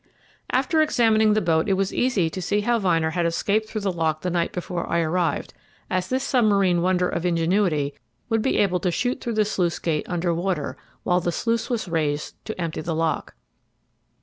After examining the boat it was easy to see how Vyner had escaped through the lock the night before I arrived, as this submarine wonder of ingenuity would be able to shoot through the sluice gate under water, when the sluice was raised to empty the lock.